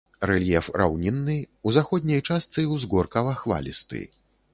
Рэльеф раўнінны, у заходняй частцы ўзгоркава-хвалісты.